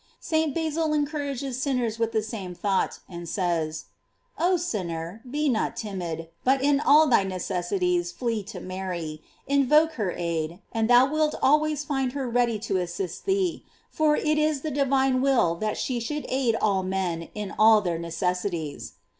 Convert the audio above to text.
* St. Basil encourages sinners with the same thought, and says: Oh sinner, be not timid, but in all thy necessities flee to Mary, invoke her aid, and thou wilt always find her ready to assist thee, for it is the divine will that she should aid all men in all their necessities.!